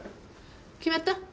決まった？